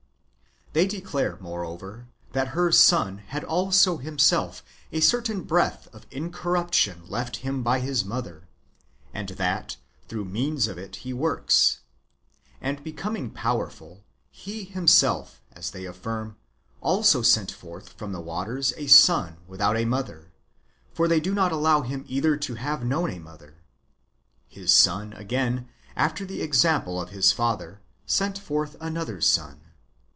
They declare, moreover, that her son had also himself a certain breath of incorruption left him by his mother, and that through means of it he works ; and becoming powerful, he himself, as they affirm, also sent forth from the waters a son without a mother ; for they do not allow him either to have known a mother. His son, again, after the example of his father, sent forth another son.